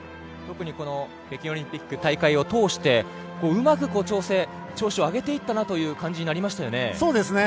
特に北京オリンピックの大会を通してうまく調整調子を上げていったなという感じになりましたよね。